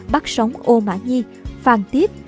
bắt sóng ô mã nhi phàng tiếp